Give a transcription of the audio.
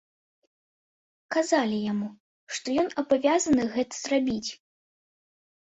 Казалі яму, што ён абавязаны гэта зрабіць.